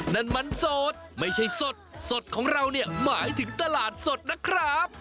นั่นมันสดไม่ใช่สดสดของเราเนี่ยหมายถึงตลาดสดนะครับ